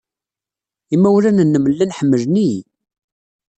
Imawlan-nnem llan ḥemmlen-iyi.